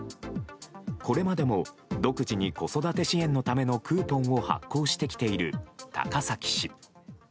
これまでも独自に子育て支援のためのクーポンを発行してきている高崎市。